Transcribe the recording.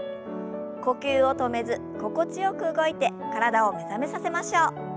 呼吸を止めず心地よく動いて体を目覚めさせましょう。